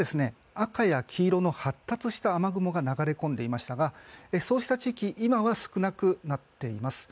赤や黄色の発達した雨雲が流れ込んでいましたがそうした地域今は少なくなっています。